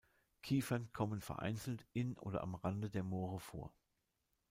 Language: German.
Kiefern kommen vereinzelt in oder am Rande der Moore vor.